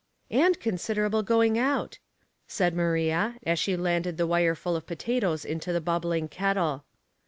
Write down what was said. " And considerable going out," said Maria as she landed the wire full of potatoes into the bubbling kettle.